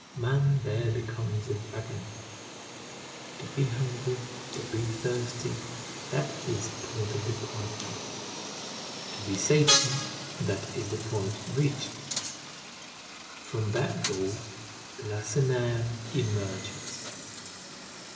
Man there becomes a dragon. To be hungry, to be thirsty—that is the point of departure; to be Satan—that is the point reached. From that vault Lacenaire emerges.